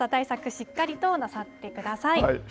しっかりとなさってください。